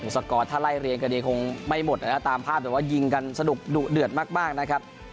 สกอร์ถ้าไล่เรียงกันดีคงไม่หมดนะครับตามภาพแต่ว่ายิงกันสนุกดุเดือดมากนะครับ